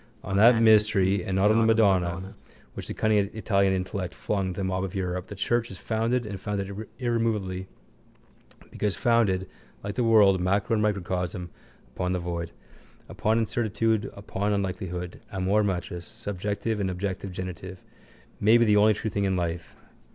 On that mystery and not on the madonna which the cunning Italian intellect flung to the mob of Europe the church is founded and founded irremovably because founded, like the world, macro and microcosm, upon the void. Upon incertitude, upon unlikelihood. Amor matris, subjective and objective genitive, may be the only true thing in life.